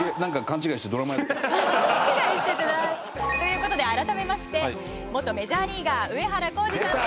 「勘違いして」って。という事で改めまして元メジャーリーガー上原浩治さんです。